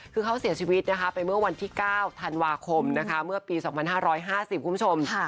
คือเขาเสียชีวิตนะคะไปเมื่อวันที่๙ธันวาคมนะคะเมื่อปี๒๕๕๐คุณผู้ชม